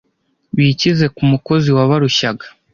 bikize ku umokozi wabarushyaga